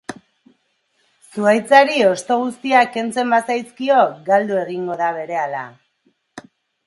Zuhaitzari hosto guztiak kentzen bazaizkio, galdu egingo da berehala